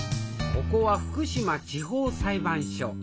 ここは福島地方裁判所。